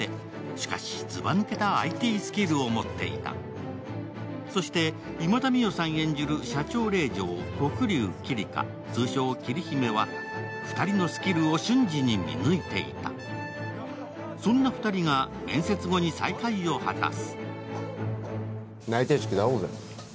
しかしずば抜けたＩＴスキルを持っていた、そして今田美桜さん演じる社長令嬢、黒龍キリカ通称・桐姫は２人のスキルを瞬時に見抜いていたそんな２人が面接後に再会を果たす内定式で会おうぜ。